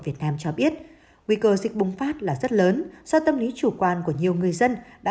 việt nam cho biết nguy cơ dịch bùng phát là rất lớn do tâm lý chủ quan của nhiều người dân đã